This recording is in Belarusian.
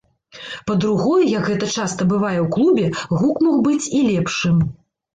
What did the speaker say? Па-другое, як гэта часта бывае ў клубе, гук мог быць і лепшым.